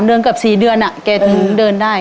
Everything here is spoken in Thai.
๓เดือนกับ๔เดือนอะแกถึงเดินได้